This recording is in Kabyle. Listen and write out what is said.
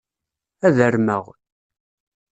Ad armeɣ.